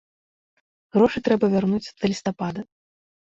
Грошы трэба вярнуць да лістапада.